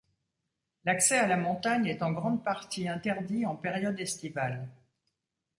L'accès à la montagne est en grande partie interdit en période estivale.